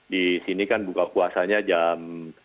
di sini kan buka puasanya jam